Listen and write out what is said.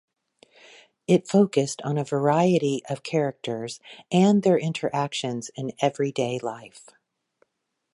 It focused on a variety of characters and their interactions in everyday life.